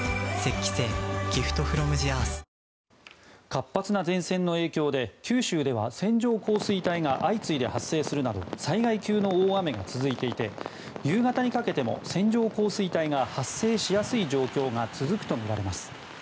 活発な前線の影響で九州では線状降水帯が相次いで発生するなど災害級の大雨が続いていて夕方にかけても線状降水帯が発生しやすい状況が続くとみられます。